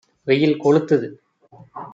வெயில் கொளுத்துது